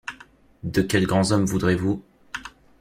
de quels grands hommes voudrez-vous